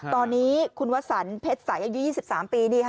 ตอนนี้คุณวัฒนเพชรสายอยู่๒๓ปี